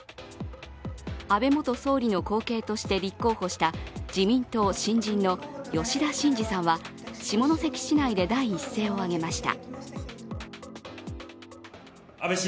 安倍元総理の後継として立候補した自民党新人の吉田真次さんは下関市内で第一声を上げました。